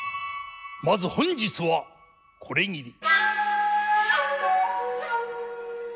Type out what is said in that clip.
まず本日はこれぎり。